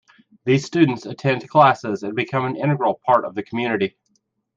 These students attend classes and become an integral part of the community.